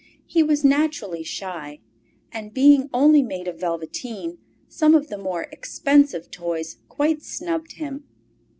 He was naturally shy, and being only made of velveteen, some of the more expensive toys quite snubbed him.